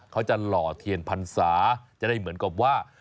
หล่อเทียนพรรษาจะได้เหมือนกับว่า